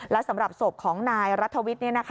และสำหรับศพของนายรัฐวิทย์